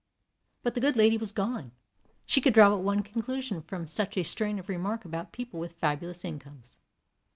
But the good lady was gone. She could draw but one conclusion from such a strain of remark about people with fabulous incomes.